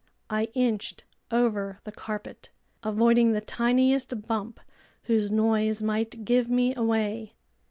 I inched over the carpet, avoiding the tiniest bump whose noise might give me away.